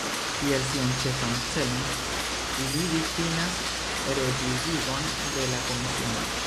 Kiel sian ĉefan celon li difinas revivigon de la komisiono.